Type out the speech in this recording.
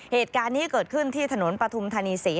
เหตุการณ์นี้เกิดขึ้นที่ถนนปฐุมธานีศรี